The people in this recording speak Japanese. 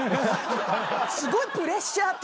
すごいプレッシャーっていうか。